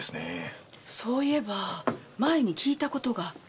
そういえば前に聞いた事が。